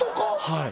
はい